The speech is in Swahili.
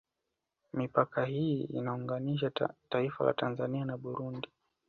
Mipaka hii inaunganisha taifa la Tanzania na Burundi